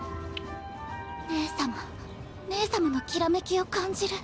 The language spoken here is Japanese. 姉様姉様の煌めきを感じる。